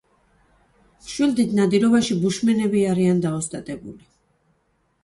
მშვილდით ნადირობაში ბუშმენები არიან დაოსტატებული.